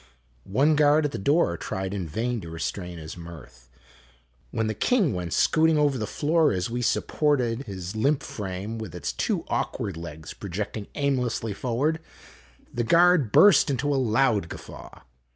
One guard at the door tried in vain to restrain his mirth. When the king went scooting over the floor, as we supported his limp frame with its two awkward legs projecting aimlessly forward, the guard burst into a loud guffaw.